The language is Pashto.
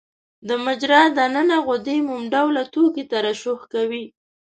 د مجرا د نني غدې موم ډوله توکي ترشح کوي.